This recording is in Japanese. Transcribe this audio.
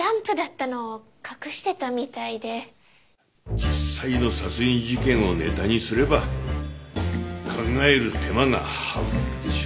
実際の殺人事件をネタにすれば考える手間が省けるでしょ。